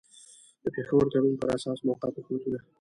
د پېښور تړون پر اساس موقت حکومتونه.